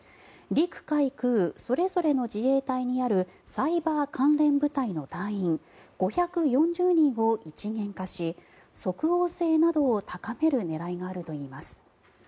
陸海空それぞれの自衛隊にあるサイバー関連部隊の隊員５４０人を一元化し即応性などを高める狙いがあるといいます。